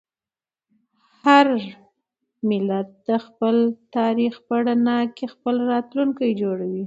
هر ملت د خپل تاریخ په رڼا کې خپل راتلونکی جوړوي.